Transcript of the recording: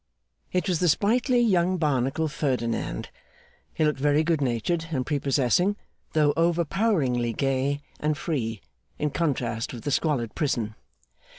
It was the sprightly young Barnacle, Ferdinand. He looked very good natured and prepossessing, though overpoweringly gay and free, in contrast with the squalid prison.